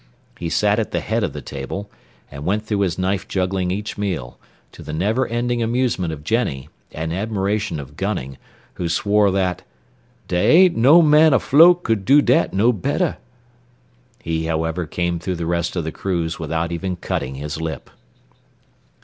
He sat at the head of the table, and went through his knife juggling each meal, to the never ending amusement of Jennie, and admiration of Gunning, who swore that, "dey ain't no man afloat cud do dat no better." He, however, came through the rest of the cruise without even cutting his lip.